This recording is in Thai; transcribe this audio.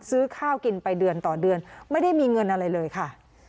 ซื้อข้าวกินไปเดือนต่อเดือนไม่ได้มีเงินอะไรเลยค่ะ